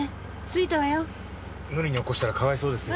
無理に起こしたらかわいそうですよ。